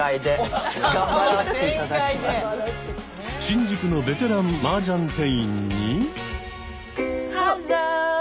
新宿のベテランマージャン店員に。